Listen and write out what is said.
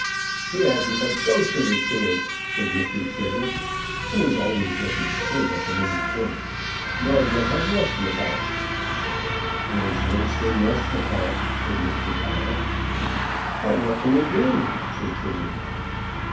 "He hasn't a ghost of a chance," said Mr. Trigger, who was always looking straight at the main point; "nor yet hasn't Westmacott." "There's worse than Westmacott," said Mr. Pile. "But what can we do?" said Trigger.